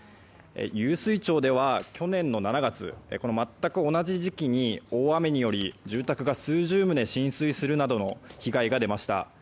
湧水町では去年の７月まったく同じ時期に大雨により住宅が数十棟浸水するなどの被害が出ました。